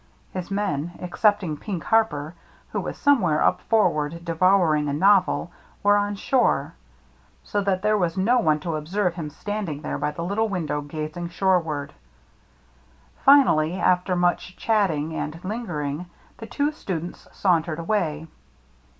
His men, excepting Pink Harper, who was somewhere up forward devouring a novel, were on shore ; so that there was no one to observe him standing there by the little window gazing shoreward. Finally, after much chatting and lingering, the two students sauntered away.